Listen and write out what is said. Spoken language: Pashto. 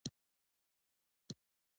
مبهم ولایتونه هم د دوی حقه حقوق دي.